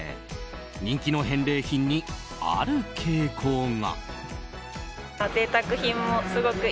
人気の返礼品にある傾向が。